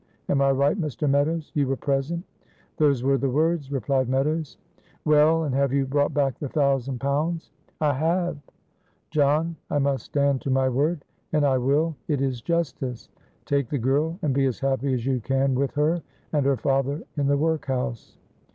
Am I right, Mr. Meadows? you were present." "Those were the words," replied Meadows. "Well! and have you brought back the thousand pounds?" "I have." "John, I must stand to my word; and I will it is justice. Take the girl, and be as happy as you can with her, and her father in the work house."